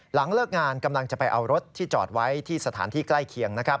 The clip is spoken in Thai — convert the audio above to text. หลังเลิกงานกำลังจะไปเอารถที่จอดไว้ที่สถานที่ใกล้เคียง